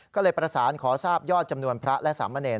ก็เลยประสานขอทราบยอดจำนวนพระและสามเณร